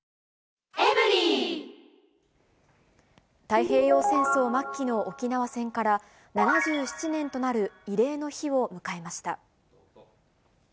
太平洋戦争末期の沖縄戦から、７７年となる慰霊の日を迎えました。